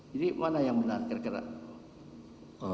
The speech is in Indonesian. jadi mana yang benar kira kira